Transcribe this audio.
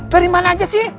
dari mana aja sih